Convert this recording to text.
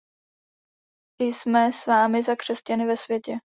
Jsme s vámi za křesťany ve světě.